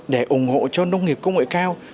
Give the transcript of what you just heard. để ủng hộ cho nông nghiệp công nghệ cao